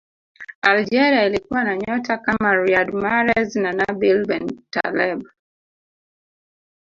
algeria ilikuwa na nyota kama riyad mahrez na nabil bentaleb